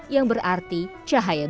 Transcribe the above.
yang berarti cahaya dunia